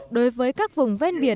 đối với các vùng ven biển